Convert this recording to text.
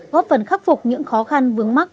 góp phần khắc phục những khó khăn vướng mắc